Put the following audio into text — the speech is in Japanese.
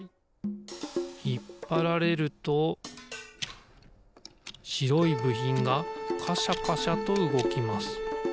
ひっぱられるとしろいぶひんがカシャカシャとうごきます。